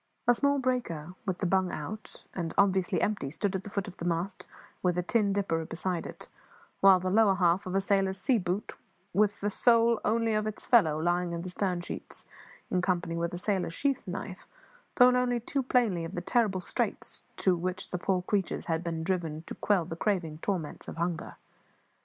A small breaker, with the bung out, and obviously empty, stood at the foot of the mast, with a tin dipper beside it; while the lower half of a sailor's sea boot, with the sole only of its fellow, lying in the stern sheets, in company with a sailor's sheath knife, told only too plainly of the terrible straits to which the poor creatures had been driven to quell the craving torments of hunger.